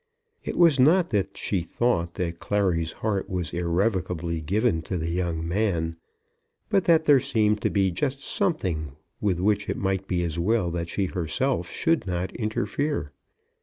It was not that she thought that Clary's heart was irrecoverably given to the young man, but that there seemed to be just something with which it might be as well that she herself should not interfere.